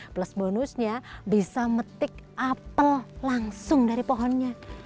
plus bonusnya bisa metik apel langsung dari pohonnya